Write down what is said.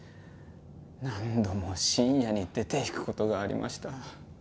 何度も深夜に出ていく事がありました。